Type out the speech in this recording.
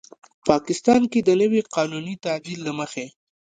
پاکستان کې د نوي قانوني تعدیل له مخې